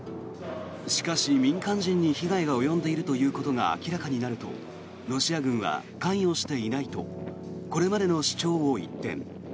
しかし、民間人に被害が及んでいるということが明らかになるとロシア軍は関与していないとこれまでの主張を一転。